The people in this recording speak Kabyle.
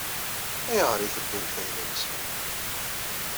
Ayɣer i tewwimt ayla-nsen?